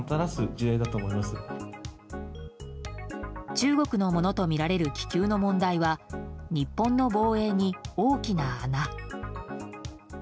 中国のものとみられる気球の問題は日本の防衛に大きな穴。